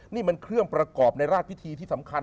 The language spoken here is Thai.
นี่มันเครื่องประกอบในราชพิธีที่สำคัญ